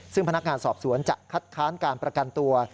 ซึ่งพนักงานสอบสวนจะคัดค้านการประกันตัว